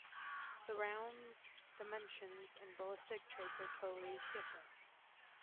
The round's dimensions and ballistic traits are totally different.